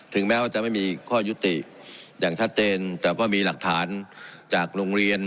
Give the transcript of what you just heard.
แม้ว่าจะไม่มีข้อยุติอย่างชัดเจนแต่ก็มีหลักฐานจากโรงเรียน